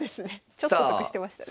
ちょっと得してましたね。